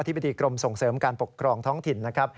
บดีกรมส่งเสริมการปกครองท้องถิ่นนะครับ